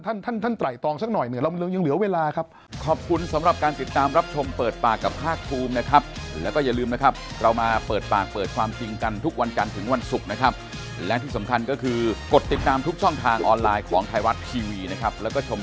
ท่านไตรตองสักหน่อยเรายังเหลือเวลาครับ